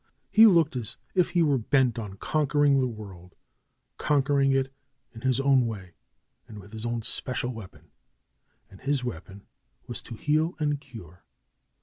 He looked as if he were bent on conquering the world; conquering it in his own way, and with his own special weapon. And his weapon was to heal and cure.